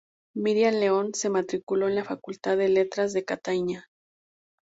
Miriam Leone se matriculó en la Facultad de Letras de Catania.